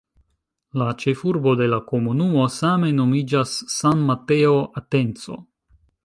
La ĉefurbo de la komunumo same nomiĝas "San Mateo Atenco".